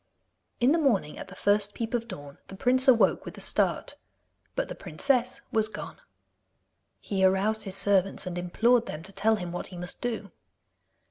In the morning, at the first peep of dawn, the prince awoke with a start. But the princess was gone. He aroused his servants and implored them to tell him what he must do.